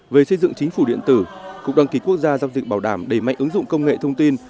về xây dựng chính phủ điện tử cục đăng ký quốc gia giao dịch bảo đảm đẩy mạnh ứng dụng công nghệ thông tin